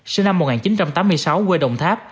sinh năm một nghìn chín trăm tám mươi sáu quê đồng tháp